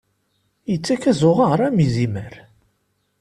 Ittak azuɣer am izimer.